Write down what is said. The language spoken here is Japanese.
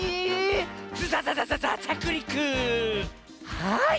はい！